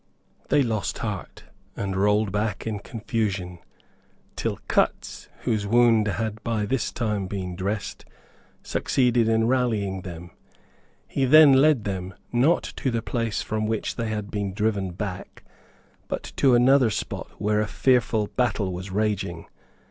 They lost heart, and rolled back in confusion, till Cutts, whose wound had by this time been dressed, succeeded in rallying them. He then led them, not to the place from which they had been driven back, but to another spot where a fearful battle was raging.